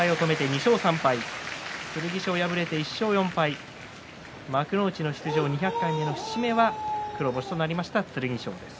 剣翔は敗れて１勝４敗幕内出場２００回目の節目は黒星となった剣翔です。